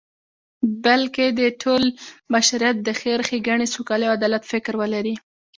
بلکی د ټول بشریت د خیر، ښیګڼی، سوکالی او عدالت فکر ولری